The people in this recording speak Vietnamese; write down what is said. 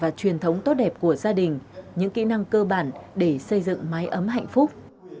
và truyền thống tốt đẹp của gia đình những kỹ năng cơ bản để xây dựng máy ấm hạnh phúc